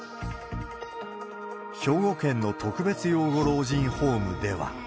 兵庫県の特別養護老人ホームでは。